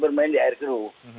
bermain di air keruh